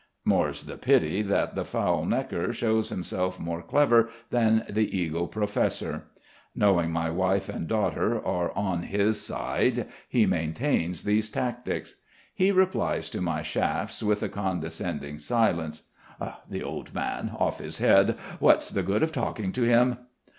More's the pity that the fowl Gnekker shows himself more clever than the eagle professor. Knowing my wife and daughter are on his side he maintains these tactics. He replies to my shafts with a condescending silence ("The old man's off his head.... What's the good of talking to him?")